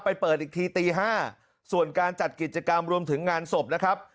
เปิดอีกทีตี๕ส่วนการจัดกิจกรรมรวมถึงงานศพนะครับ